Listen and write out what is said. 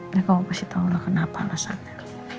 ya kamu pasti tahulah kenapa alasannya